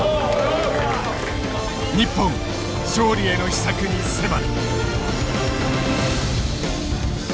日本勝利への秘策に迫る。